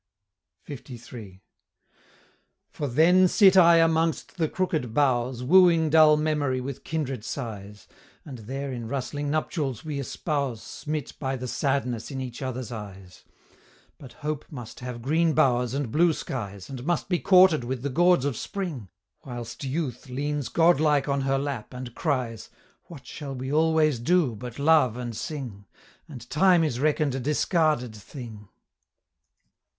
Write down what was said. LIII. "For then sit I amongst the crooked boughs, Wooing dull Memory with kindred sighs; And there in rustling nuptials we espouse, Smit by the sadness in each other's eyes; But Hope must have green bowers and blue skies, And must be courted with the gauds of Spring; Whilst Youth leans god like on her lap, and cries, 'What shall we always do, but love and sing?' And Time is reckon'd a discarded thing."